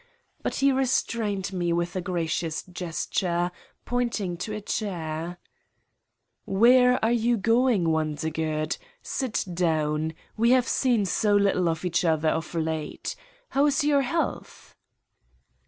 But he restrained me with a gracious gesture, point ing to a chair :" Where are you going, Wondergood ? Sit down. We have seen so little of each other of late. How is your health